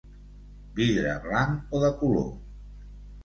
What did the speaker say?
Vidre blanc o de color.